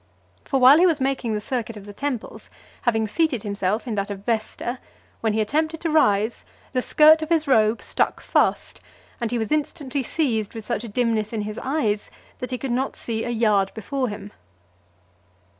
For while he was making the circuit of the temples, having seated himself in that of Vesta, when he attempted to rise, the skirt of his robe stuck fast; and he was instantly seized with such a dimness in his eyes, that he could not see a yard before him.